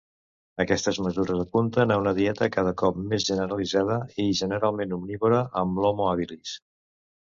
Aquestes mesures apunten a una dieta cada cop més generalitzada i generalment omnívora en l'"Homo habilis".